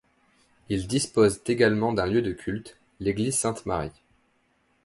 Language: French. Ils disposent également d'un lieu de culte, l'église Sainte-Marie.